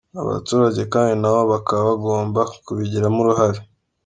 Abaturage kandi na bo bakaba bagomba kubigiramo uruhare.